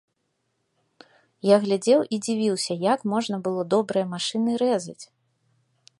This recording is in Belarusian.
Я глядзеў і дзівіўся, як можна было добрыя машыны рэзаць.